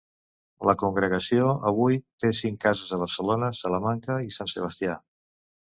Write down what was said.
La congregació avui té cinc cases a Barcelona, Salamanca i Sant Sebastià.